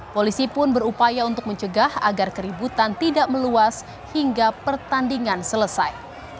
polisi pun berupaya untuk mencegah agar keributan tidak meluas hingga pertandingan selesai